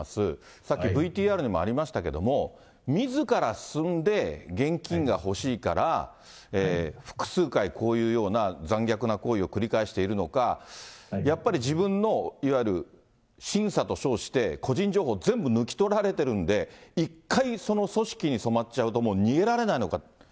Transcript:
さっきＶＴＲにもありましたけども、みずから進んで現金が欲しいから、複数回、こういうような残虐な行為を繰り返しているのか、やっぱり自分の、いわゆる審査と称して個人情報、全部抜き取られてるんで、１回、その組織に染まっちゃうと逃げられないのか。